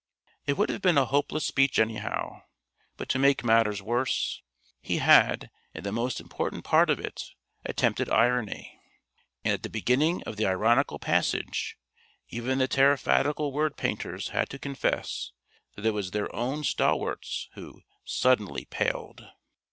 It would have been a hopeless speech anyhow; but, to make matters worse, he had, in the most important part of it, attempted irony. And at the beginning of the ironical passage even the Tariffadical word painters had to confess that it was their own stalwarts who "suddenly paled."